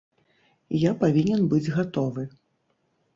Я павінен быць гатовы.